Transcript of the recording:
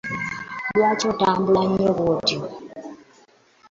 Lwaki otambula nnyo bwotyo?